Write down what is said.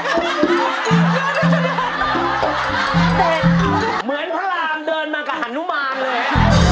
เหมือนพระรามเดินมากับฮานุมานเลย